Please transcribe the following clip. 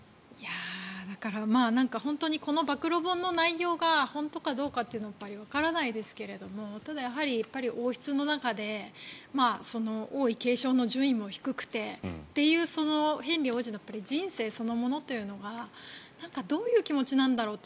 だからこの暴露本の内容が本当かどうかというのはわからないですがただ、王室の中で王位継承の順位も低くてというヘンリー王子の人生そのものというのがどういう気持ちなんだろうって